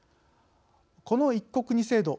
この「一国二制度」